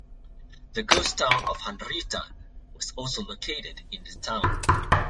The ghost town of Henrietta was also located in the town.